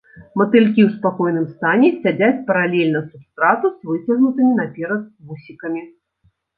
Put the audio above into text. Матылькі ў спакойным стане сядзяць паралельна субстрату з выцягнутымі наперад вусікамі.